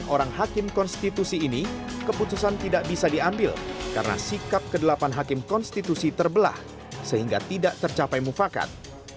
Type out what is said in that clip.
orang hakim konstitusi ini keputusan tidak bisa diambil karena sikap ke delapan hakim konstitusi terbelah sehingga tidak tercapai mufakat